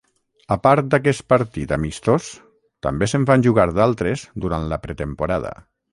A part d'aquest partit amistós, també se'n van jugar d'altres durant la pretemporada.